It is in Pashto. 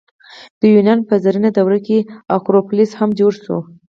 د یونان په زرینه دوره کې اکروپولیس هم جوړ شو.